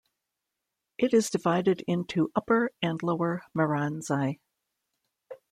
It is divided into upper and lower Miranzai.